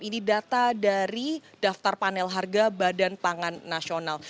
ini data dari daftar panel harga badan pangan nasional